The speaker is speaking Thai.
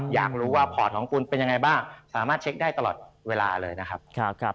อยากรู้ว่าพอร์ตของคุณเป็นยังไงบ้างสามารถเช็คได้ตลอดเวลาเลยนะครับ